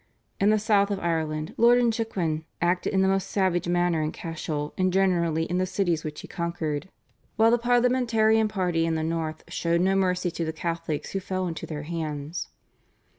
In the South of Ireland Lord Inchiquin acted in the most savage manner in Cashel and generally in the cities which he conquered, while the Parliamentarian party in the North showed no mercy to the Catholics who fell into their hands.